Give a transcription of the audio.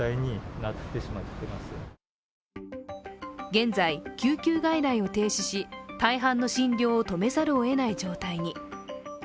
現在、救急外来を停止し大半の診療をとめざるをえない状態に。